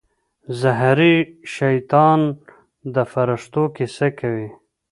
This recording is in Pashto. زهري شیطان د فرښتو کیسه کوي.